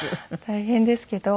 大変ですけど。